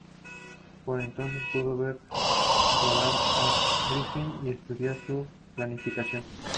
Por entonces pudo ver rodar a Griffith y estudiar su planificación.